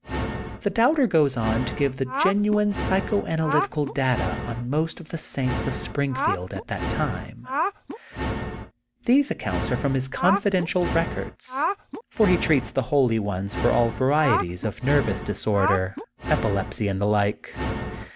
The Doubter goes on to give the genuine psycho analytical data on most of the saints of Springfield at that time. These accounts are from his confidential records. For he treats the holy ones for all varieties of nerv ous disorder, epilepsy, and the like.